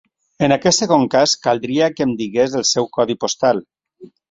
En aquest segon cas, caldria que em digués el seu codi postal.